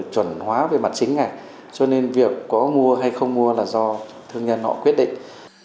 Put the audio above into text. chuẩn hóa về mặt chính này cho nên việc có mua hay không mua là do thương nhân họ quyết định